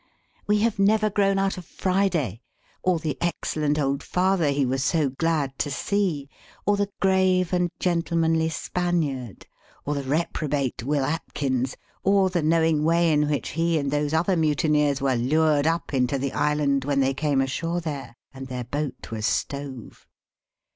We have never grown out of Friday, or the excellent old father he was so glad to see, or the grave and gentle manly Spaniard, or the reprobate Will Atkins, or the knowing way in which he and those other mutineers were lured up into the Island when they came ashore there, and their boat was stove.